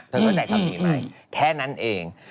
เข้าใจคำนี้ไหมแค่นั้นเอง